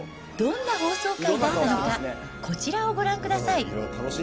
どんな放送回だったのか、こちらをご覧ください。